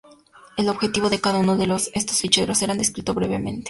El objetivo de cada uno de estos ficheros será descrito brevemente.